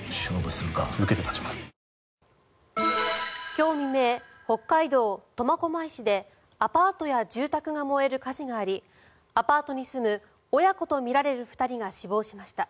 今日未明北海道苫小牧市でアパートや住宅が燃える火事がありアパートに住む親子とみられる２人が死亡しました。